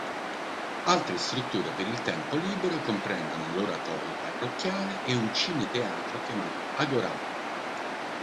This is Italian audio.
Altre strutture per il tempo libero comprendono l'oratorio parrocchiale e un cine-teatro chiamato "Agorà".